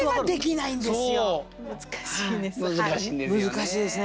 難しいです。